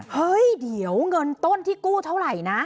เฮ้ยเดี๋ยวเงินต้นที่กู้เท่าไหร่นะ